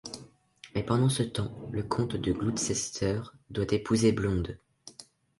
Mais pendant ce temps, le comte de Gloucester doit épouser Blonde.